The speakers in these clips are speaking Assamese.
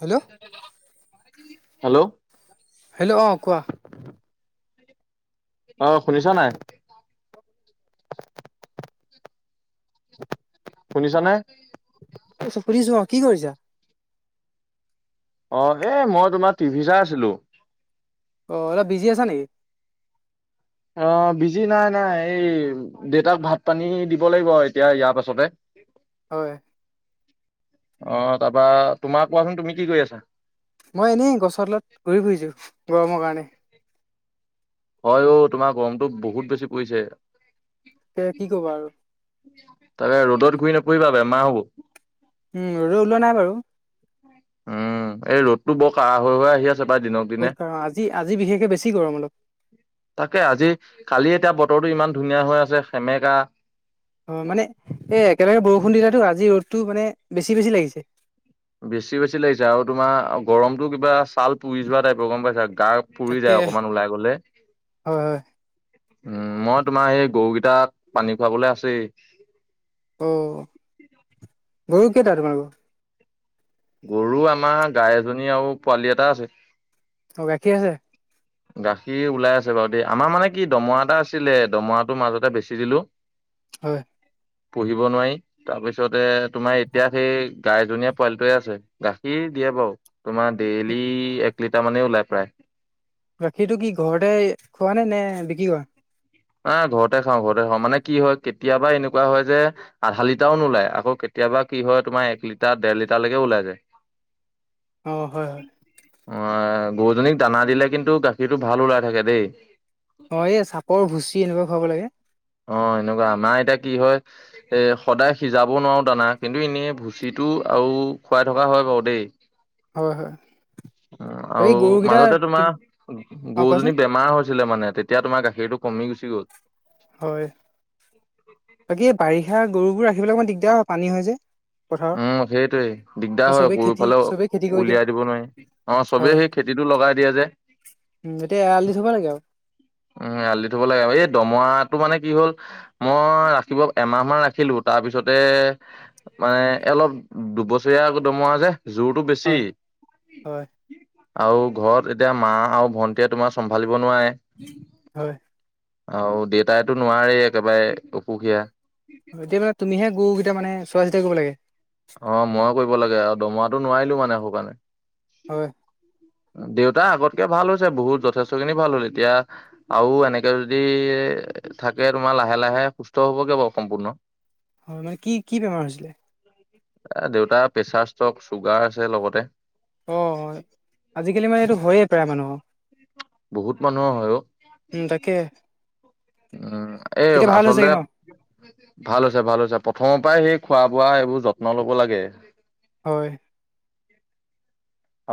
হেল্ল হেল্ল' হেল্ল' অ কোৱা অ, শুনিছ নাই? [inaudible] শুনিছা নে? কি কৰিছা শুধিছোৱা, কি কৰিছা? অ এ মই তোমাৰ টিভি চাই আছিলো অ অলপ বিজি আছা নেকি? অ বিজি নাই নাই এই দেউতাক ভাত পানী দিব লাগিব এতিয়া ইয়াৰ পাছতে হয়। অ তাৰপা তোমাক কোৱাচোন তুমি কি কৰি আছা? মই এনেই গছৰ তলত ঘূৰি ফুৰিছোঁ গৰমৰ কাৰণে- হয় অঔ তোমাৰ গৰমটো বহুত বেছি পৰিছে। এ কি কবা আৰু তাকে ৰ'দত ঘূৰি নোফোৰিবা বেমাৰ হ'ব। উম ৰদ ওলোৱা নাই বাৰু উম এই ৰ'দতটো বৰ কাৰা হৈ হৈ আহি আছে প্ৰায় দিনক দিনে বহুত কাৰণ আজি আজি বিশেষে বেছি গৰম অলপ। তাকে আজি কালি এতিয়া বতৰটো ইমান ধুনীয়া হৈ আছে সেমেকা- অ মানে এ একেলগে বৰষুণ দিলোটো আজি ৰ'দটো মানে বেছি বেছি লাগিছে। বেছি বেছি লাগিছে আৰু তোমাৰ গৰমটো কিবা ছাল পুৰি যোৱা টাইপৰ গম পাইছা গা- পুৰি তাকে। যায় অকমান ওলাই গলে। হয় হয় মই তোমাৰ সেই গৰুকেইটাত পানী খুৱাবলে আছেই অ গৰু কেইটা তোমালোকৰ? গৰু আমাৰ গাই এজনী আও পোৱালি এটা আছে। অ গাখীৰ আছে? গাখীৰ ওলাই আছে বাৰু দেই আমাৰ মানে কি দমৰা এটা আছিলে দমৰাটো মাজতে বেছি দিলো। হয়। পুহিব নোৱাই। তাৰপিছতে তোমাৰ এতিয়া সেই গাইজনী পোৱালিটোৱে আছে গাখীৰ দিয়ে বাওঁ। তোমাৰ ডেইলি এক লিটাৰ মানে ওলাই প্ৰায় গাখীৰটো কি ঘৰতে খোৱা নে, নে বিক্ৰী কৰা? এ ঘৰতে খাওঁ ঘৰতে খাওঁ মানে কি হয় কেতিয়াবা এনেকুৱা হয় যে, আধা লিটাৰও নোলায় আকৌ কেতিয়াবা কি হয় তোমাৰ এক লিটাৰ ডেৰ লিটাৰলৈকে ওলাই যায়। অ হয় হয় অ গৰুজনীক দানা দিলে কিন্তু গাখীৰটো ভাল ওলাই থাকে দেই। অ এই চাপৰ ভুচি এনেকুৱা খুৱাব লাগে। অ এনেকুৱা আমাৰ এতিয়া কি হয়। এ সদায় সিজাব নোৱাৰো দানা কিন্তু এনেই ভুচিটো আও খুৱাই থকা হয় বাৰু দেই- হয় হয় উ বাকী আৰু গৰুকেইটা মাজতে তোমাৰ তুম অ কোৱাচোন গৰুজনী বেমাৰ হৈ ছিলে মানে তেতিয়া তোমাৰ গাখীৰটো কম গুচি গ'ল। হয় বাকী বাৰিষা গৰুবোৰ ৰাখিবলৈ অকণমান দিগদাৰ হয় পানী হয় যে। পথাৰত উম সেইটোৱে আৰু দিগদাৰ হয় চবেই খেতি পৰুফালেও চবেই খেতি কৰি দিয়ে উলিয়াই দিব নোৱাৰি। অ চবেই হয় সেই খেতিটো লগাই দিয়ে যে উম এতিয়া এৰালি দি থ'ব লাগে আও উম এয়ালি দি থব লাগে আৰু এই দমৰাটো মানে কি হ'ল মই ৰাখিব এমাহ মান ৰাখিলো তাৰপিছতে মানে অলপ দুবছৰীয়া আকৌ দমৰা যে জোৰটো বেছি। হয় হয় আৰু ঘৰত এতিয়া মা আৰু ভন্টীয়ে তোমাৰ চম্ভালিব নোৱাৰে। হয় আৰু দেউতাইতো নোৱাৰে একেবাৰে অসুখীয়া। এতিয়া মানে তুমিহে গৰুকেইটা মানে চোৱা চিতা কৰিব লাগে? অ ময়ে কৰিব লাগে আৰু দমৰাটো নোৱাৰিলো মানে সৌ কাণে হয় দেউতা আগতকে ভাল হৈছে বহুত যথেষ্ট খিনি ভাল হ'ল এতিয়া আৰু এনেকে যদি থাকে তোমাৰ লাহে-লাহে সুস্থ হবগে বাৰু সম্পূৰ্ণ। হয় মানে কি কি বেমাৰ হৈছিলে? এ দেউতা প্ৰেচাৰ ষ্টক, চুগাৰ আছে লগতে। অ আজিকালি মানে এইটো হয়য়ে প্ৰায় মানুহৰ। বহুত মানুহৰ হয়ও। উম তাকে। উম এই এতিয়া ভাল হৈছেগে আচলতে ন ভাল হৈছে, ভাল হৈছে প্ৰথমৰ পৰাই সেই খোৱা-বোৱা এইবোৰ যত্ন লব লাগে।। হয়।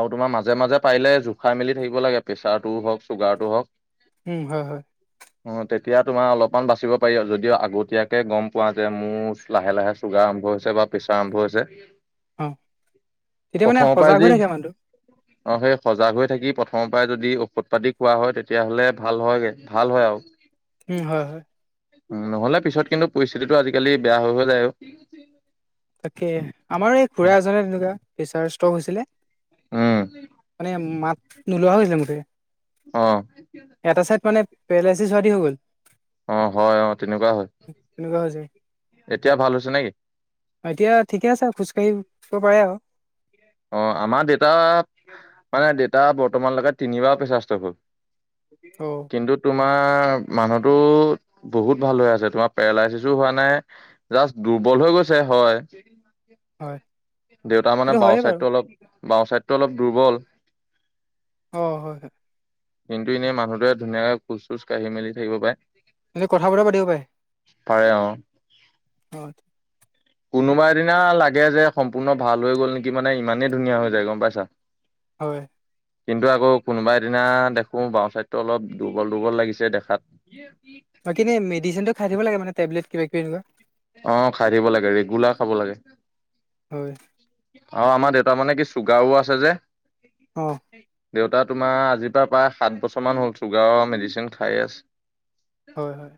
আৰু তোমাৰ মাজে-মাজে পাৰিলে জোখাই মেলি থাকিব লাগে, প্ৰেছাৰটোও হওক, চুগাৰটো হওক। উম হয়, হয়। অঁ তেতিয়া তোমাৰ অলপমান বাচিব পাৰি আও, যদিও আগতীয়াকৈ গম পোৱা যে মোৰ লাহে-লাহে চুগাৰ আৰম্ভ হৈছে বা পেছাৰ আৰম্ভ হৈছে। অ তেতিয়া মানে প্ৰথমৰ পৰাই সজাগ হৈ যি থাকে মানুহটো। অ সেই সজাগ হৈ থাকি প্ৰথমৰ পৰাই যদি ঔষধ-পাতি খোৱা হয় তেতিয়াহলে ভাল হয়গে ভাল হয় আও। উম, হয়, হয়। উ নহলে পিছত কিন্তু পৰিস্থিতিটো আজিকালি বেয়া হৈ হৈ যায় ঔ। তাকে আমাৰ এই খুৰা এজনে তেনেকুৱা প্ৰেচাৰ ষ্টক হৈছিলে। উম। মানে মাত নোলোৱা হৈছিলে মুঠেই। অ। এটা ছাইত মানে পেৰেলাইচিছ হোৱাদি হৈ গ'ল। অ হয় অ, তেনেকুৱা হয়। তেনেকুৱা হৈ যাই। এতিয়া ভাল হৈছে নে কি? অ এতিয়া ঠিকে আছে, খোজকাঢ়িব পাৰে আও। অঁ আমাৰ দেউতা মানে দেউতা বৰ্তমানলেকে তিনিবাৰ প্ৰেছাৰ ষ্টক হ'ল। অ। কিন্তু তোমাৰ মানুহতো বহুত ভাল হৈ আছে, তোমাৰ পেৰালাইচিছো হোৱা নাই, জাষ্ট দুৰ্বল হৈ গৈছে হয়। হয় দেউতা মানে এইটো বাওঁ হয়ে বাৰু চাইটো অলপ, বাওঁ চাইটো অলপ দুৰ্বল। অ হয়, হয়। কিন্তু এনেই মানুহটোৱে ধুনীয়াকে খোজ-চোজ কাঢ়ি মেলি থাকিব পায়। এতিয়া কথা বতৰা পাতিব পাৰে? পাৰে অ। হয়। কোনোবা এদিনা লাগে যে সম্পূৰ্ণ ভাল হৈ গ'ল নেকি মানে নাই ইমানেই ধুনীয়া হৈ যায় গম পাইছা। হয়। কিন্তু আকৌ কোনোবা এদিনা দেখো বাওঁ ছাইডতটো অলপ দুৰ্বল, দুৰ্বল লাগিছে দেখাত। [inaudible] বাকী এনে মেডিচিনটো খাই থাকিব লাগে মানে টেবলেট কিবা কিবি এনেকুৱা। অ খাই থাকিব লাগে, ৰেগুলাৰ খাব লাগে। হয় আৰু আমাৰ দেউতা মানে কি চুগাৰো আছে যে। অ‍ঁ দেউতা তোমাৰ আজিৰ পৰা প্ৰায় সাত বছৰমান হ'ল চুগাৰৰ মেডিচিন খাইয়ে আছে। হয় হয়।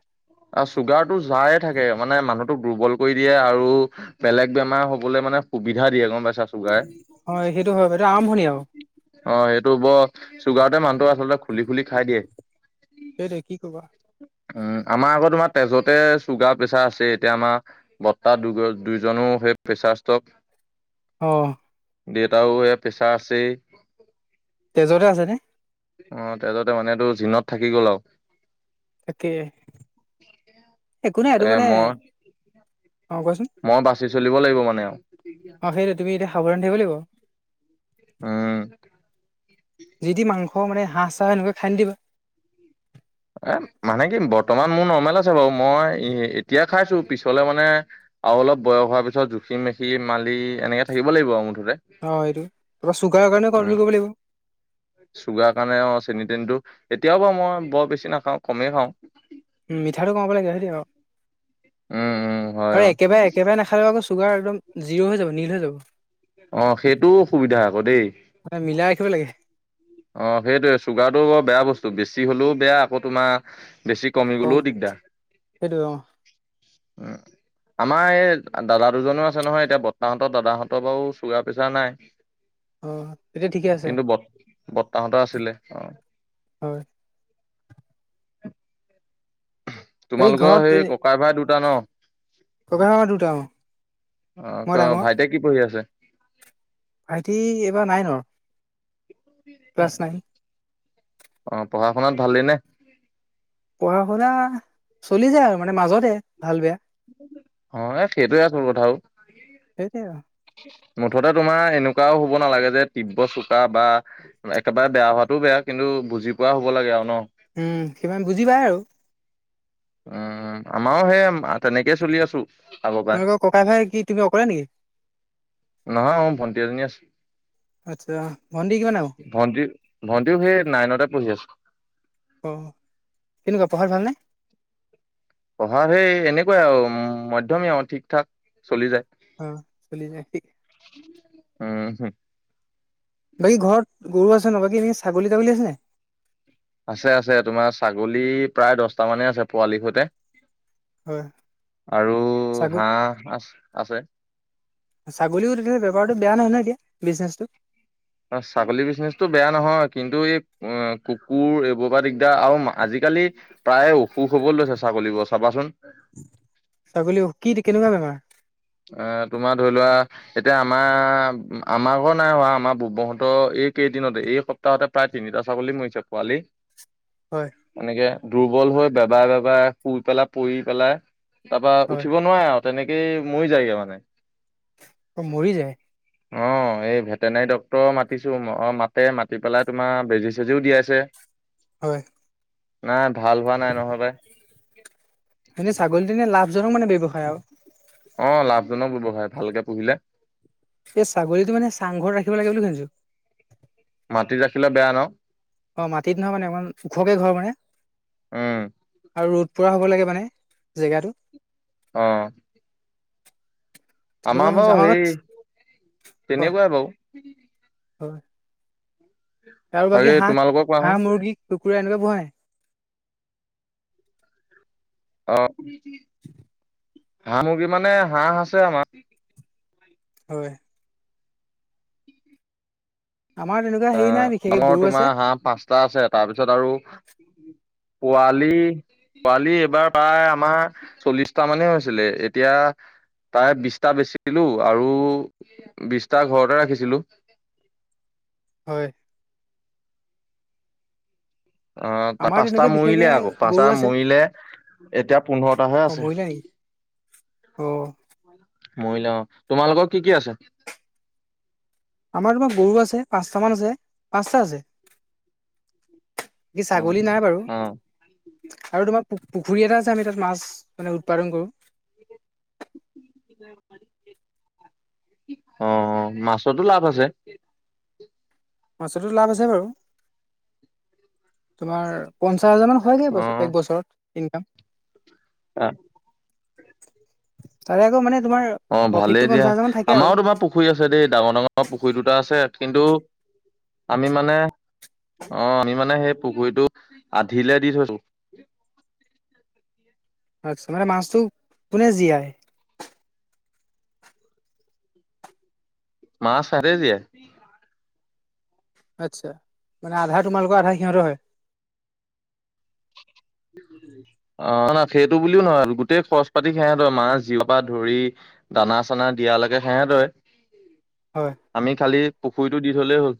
অ চুগাৰ টো যায় থাকে মানে মানুহ টোক দুৰ্বল কৰি দিয়ে আৰু বেলেগ বেমাৰ হবলৈ মানে সুবিধা দিয়ে গম পাইছা চুগাৰে। হয় সেইটো হয় ব এইটো আৰম্ভণি আও। অ সেইটো বৰ চুগাৰতে মানুহটো আচলতে খুলি খুলি খাই দিয়ে। উম, সেইটোৱে কি ক'বা আমাৰ আগত তোমাৰ তেজতে চুগাৰ প্ৰেছাৰ আছে। তেতিয়া আমাৰ বৰ্তা দু দুইজনও সেই প্ৰেচাৰ ষ্টক অঁ দেউতাও এ পেছা আছেই। তেজতে আছেনে। অ তেজতে মানে এইটো জিনত থাকি গ'ল আও। তাকে, একো নাই আৰু এ মানে মই অ কোৱাচোন? মই বাচি চলিব লাগিব মানে। অ সেইটো তুমি এতিয়া সাৱধান থাকিব লাগিব। উম যি টি মাংস মানে হাঁহ, ছাহ সেনেকৈ খাই নিদিবা। এ মানে কি বৰ্তমান মোৰ নৰ্মেল আছে বাৰু মই এতিয়া খাইছো পিছলে মানে আৰু অলপ বয়স হোৱাৰ পিছত জুখি, মুখি মালি এনেকে থাকিব লাগিব আৰু মুঠতে। অ এইটো তাৰপৰা চুগাৰৰ কাৰণে উম কণ্ট্ৰল কৰিব লাগিব। চুগাৰ কাৰণে অঁ চেনি তেনিটো এতিয়াও বাৰু মই বৰ বেছি নাখাওঁ কমেই খাওঁ। উম মিঠাটো কমাব লাগে হয় দিয়ক। উম উম হয় আৰু অ একেবাৰে একেবাৰে নাখালে আকৌ চুগাৰ একদম জিৰো হৈ যাব নীল হৈ যাব। অ সেইটোও অসুবিধা আকৌ দেই। মানে মিলাই ৰাখিব লাগে। অ সেইটোৱে চুগাৰটো বৰ বেয়া বস্তু, বেছি হ'লেও বেয়া আকৌ তোমাৰ বেছি কমি কম গলেও দিগদাৰ। সেইটো অ উম [unintelligible] আমাৰ এই দাদা দুজনেও আছে নহয় এতিয়া বৰ্তাহঁতৰ দাদাহঁতৰ বাৰু চুগাৰ প্ৰেছাৰ নাই। অঁ, এতিয়া ঠিকে আছে। কিন্তু বৰ্ত- বৰ্তাহঁতৰ আছিলে অঁ। হয়। এই তোমালোকৰ ঘৰত সেই এ ককাই ভাই দুটা ন। ককা ভাইমা দুটা অ অঁ ক মই ডাঙৰ ভাইটিয়ে কি পঢ়ি আছে? ভাইটি এইবাৰ নাইনৰ। ক্লাছ নাইন অ পঢ়া শুনাত ভালে নে? পঢ়া শুনা চলি যায় আৰু মানে মাজতে ভাল, বেয়া। অ এ সেইটোৱে আচল কথা অ। সেইটোৱে। মুঠতে তোমাৰ এনেকুৱাও হ'ব নালাগে যে তীব্ৰ চোকা বা একেবাৰে বেয়া হোৱাটোও বেয়া কিন্তু বুজি পোৱা হ'ব লাগে আৰু ন। উম, সিমান বুজি পায় আৰু। উম, আমাৰো সেই তেনেকে চলি আছো। আগৰ পৰাই তোমালোকৰ ককাই ভাই, কি তুমি অকলে নেকি? নহয় মোৰ ভণ্টি এজনী আছে। আচ্ছা, ভণ্টি কিমান ডাঙৰ? ভণ্টি ভন্টিও সেই নাইনতে পঢ়ি আছে। অ কেনেকুৱা পঢ়াত ভালনে? পঢ়া সেই এনেকুৱাই আৰু মধ্যমীয়া আৰু ঠিক ঠাক চলি যায়। অ চলি যায় তিক। উম হু। বাকী ঘৰত গৰু আছে ন বাকী এনে ছাগলী তাগলি আছে নে? আছে আছে তোমাৰ ছাগলী প্ৰায় দহটা মানে আছে, পোৱালিৰ সৈতে। হয় আৰু ছাগলী হাঁহ আ আছে। ছাগলীও তেনেকে বেপাৰটো বেয়া নহয় নহয় এতিয়া বিজনেছটো। অ ছাগলী বিজনেচটো বেয়া নহয়। কিন্তু এই অ কুকুৰ এইবোৰ পৰা দিগদাৰ আৰু আজি-কালি প্ৰায়ে অসুখ হ'ব লৈছে ছাগলীবোৰৰ চাবাচোন। ছাগলীও কি কেনেকুৱা বেমাৰ? আ তোমাৰ ধৰি লোৱা এতিয়া আমাৰ, আমাৰ ঘৰত নাই হোৱা বুবোহঁতৰ এইকেইদিনতে এই স সপ্তাহতে প্ৰায় তিনিটা ছাগলী মৰিছে পোৱালি। হয়। এনেকে দুৰ্বল হৈ বেবাই বেবাই শুই পেলাই পৰি পেলাই তাৰপা হয় উঠিব নোৱাৰে আৰু তেনেকেই মৰি যায়গে মানে। অ মৰি যায়? অ। অঁ এই ভেটেনাৰী ডক্টৰ মাতিছো, অ মাতে। মাতি পেলাই তোমাৰ বেজী-চেজীও দিয়াইছে। হয়। নাই ভাল হোৱা নাই। নহ'লে এনে ছাগলীজনীয়ে লাভজনক মানে ব্যৱসায় আও। অ লাভজনক ব্যৱসায় ভালকে পুহিলে। এই ছাগলীটো মানে চাংঘৰত ৰাখিব লাগে বুলি শুনিছো। মাটিত ৰাখিলে বেয়া ন? অ মাটিত নহয় মানে অকমান ওখকে ঘৰ মানে। উম আৰু ৰ'দ পৰা হ'ব লাগে মানে জেগাটো। অ। [unintelligible] আমাৰ বাৰু সেই কোৱা, তেনেকুৱাই বাৰু হয়। আৰু বাকী হাঁহ? তোমালোকক কোৱাচোন হাঁহ, মুৰ্গী, কুকুৰা এনেকুৱা নোপুহে? অ হাঁহ মুৰ্গী মানে হাঁহ আছে আমাৰ। হয়। আমাৰ তেনে আ আমৰ তোমাৰ হাঁহ পাঁচটা আছে। তাৰপিছত আৰু পোৱালি পোৱালি এইবাৰ প্ৰায় আমাৰ চল্লিছটা মানেই হৈছিলে। এতিয়া তাৰে বিছটা বেচি দিলো আৰু বিছটা ঘৰতে ৰাখিছিলো। হয়। অ তাৰ আমাৰ পাঁচটা তেনেকে বিশেষকে মৰিলে আকৌ। গৰু পাঁচটা আছে মৰিলে, এতিয়া পোন্ধৰটাহে অ আছে। মৰিলা নেকি অ। মৰিলে অ। তোমালোকৰ কি কি আছে? আমাৰ তোমাৰ গৰু আছে। পাঁচটা মান আছে, পাঁচটা আছে। কি অ ছাগলী নাই বাৰু। অ আৰু তোমাৰ পু পুখুৰী এটা আছে। আমি তাত মাছ মানে উৎপাদন কৰোঁ। অ, অ মাছতো লাভ আছে। বস্তুটো লাভ আছে বাৰু। তোমাৰ পঞ্চাছ হাজাৰ মান হয়গে অ এক বছৰত ইনকাম। অ। তাৰে আকৌ মানে তোমাৰ- অ' প্ৰফিটটো ভালেই দিয়া, পঞ্চাছ হাজাৰ মান থাকে আৰু আমাৰো তোমাৰ- পুখুৰী আছে দেই ডাঙৰ ডাঙৰ পুখুৰী দুটা আছে, কিন্তু আমি মানে- অ আমি মানে সেই পুখুৰীটো আধিলে দি থৈছো। আছ মানে মাছটো কোনে জীয়াই? মাছ সেতে জীয়াই? আচ্ছা, মানে আধা তোমালোকৰ আধা সিহঁতৰ হয়। [inaudible] অ না সেইটো বুলিও নহয় গোটেই খৰচ পাতি খাই সিহঁতৰ মাছ জিৰপা ধৰি। দানা চানা দিয়ালৈকে হেহে দয়। হয়। আমি খালি পুখুৰীতটো দি থ'লেই হ'ল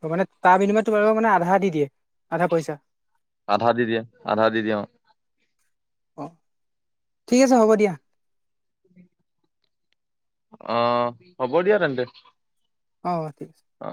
অ' মানে তাৰ বিনিময়ত তোমালোকক মানে আধা দি দিয়ে। আধা পইচা আধা দি দিয়ে আধা দি দিয়া। অ' ঠিক আছে হ'ব দিয়া। অ' হ'ব দিয়া তেন্তে। অঁ ঠিক আছে। অ